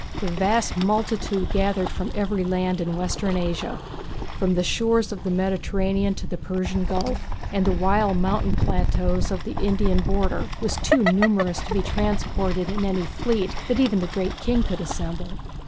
The vast multitude gathered from every land in Western Asia, from the shores of the Mediterranean to the Persian Gulf and the wild mountain plateaux of the Indian border, was too numerous to be transported in any fleet that even the Great King could assemble.